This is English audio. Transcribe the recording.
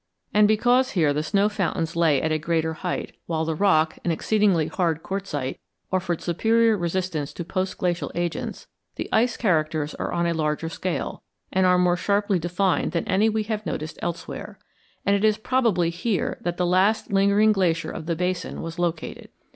And because here the snow fountains lay at a greater height, while the rock, an exceedingly hard quartzite, offered superior resistance to post glacial agents, the ice characters are on a larger scale, and are more sharply defined than any we have noticed elsewhere, and it is probably here that the last lingering glacier of the basin was located.